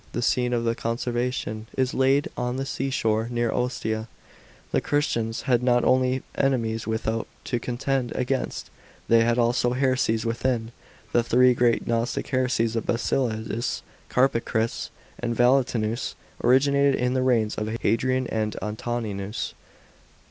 The scene of the conver sation, is laid on the seashore, near Ostia. § 26. The Christians had not only enemies without to contend against, they had also heresies within. The three great gnostic heresies of Basilides, Carpocrates, and Valentinus, originated in the reigns of Hadrian and Antoninus.